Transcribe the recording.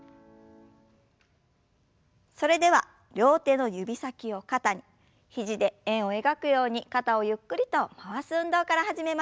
それでは両手の指先を肩に肘で円を描くように肩をゆっくりと回す運動から始めましょう。